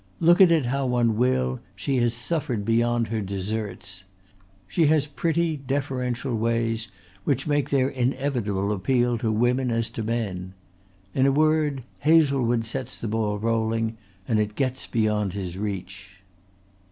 Look at it how one will, she has suffered beyond her deserts. She has pretty deferential ways which make their inevitable appeal to women as to men. In a word, Hazlewood sets the ball rolling and it gets beyond his reach."